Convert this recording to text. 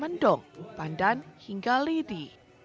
mendong pandan hingga lidi